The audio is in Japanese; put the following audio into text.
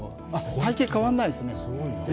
体形、変わらないですね。